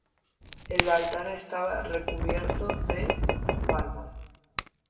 El altar estaba recubierto de mármol.